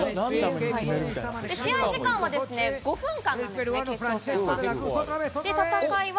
試合時間は５分間なんですね、決勝戦は。